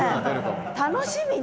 楽しみね。